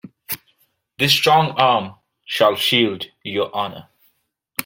This strong arm shall shield your honor.